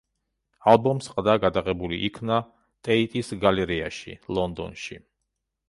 ალბომს ყდა გადაღებული იქნა ტეიტის გალერეაში, ლონდონში.